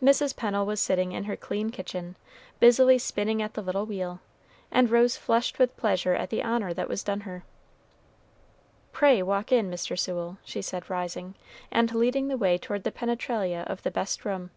Mrs. Pennel was sitting in her clean kitchen, busily spinning at the little wheel, and rose flushed with pleasure at the honor that was done her. "Pray, walk in, Mr. Sewell," she said, rising, and leading the way toward the penetralia of the best room.